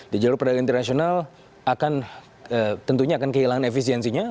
di jalur perdagangan internasional tentunya akan kehilangan efisiensinya